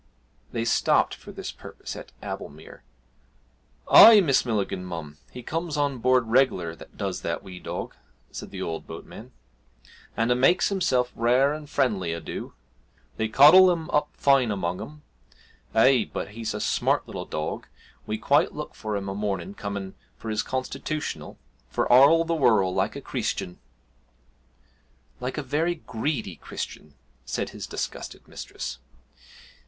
They stopped for this purpose at Amblemere. 'Ay, Miss Millikin, mum, he cooms ahn boord reglar, does that wee dug,' said the old boatman, 'and a' makes himsel' rare an' frien'ly, a' do they coddle him oop fine, amang 'em. Eh, but he's a smart little dug, we quite look for him of a morning coomin' for his constitutionil, fur arl the worl' like a Chreestian!' 'Like a very greedy Christian!' said his disgusted mistress.